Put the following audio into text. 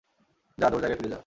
যা, তোর জায়গায় ফিরে যা।